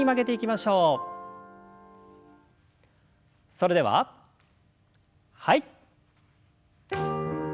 それでははい。